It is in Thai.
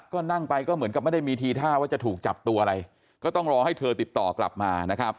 ก็นั่งไปก็เหมือนกับไม่ได้มีทีท่าว่าจะถูกจับตัวอะไรก็ต้องรอให้เธอติดต่อกลับมานะครับ